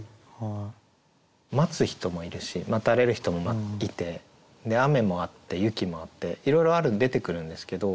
待つ人もいるし待たれる人もいて雨もあって雪もあっていろいろ出てくるんですけど